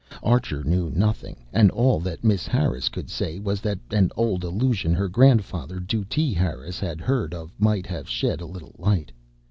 Archer knew nothing, and all that Miss Harris could say was that an old allusion her grandfather, Dutee Harris, had heard of might have shed a little light.